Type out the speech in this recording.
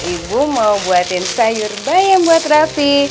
ibu mau buatin sayur bayam buat rapi